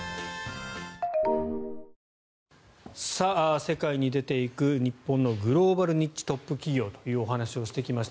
世界に出ていく日本のグローバルニッチトップ企業というお話をしてきました。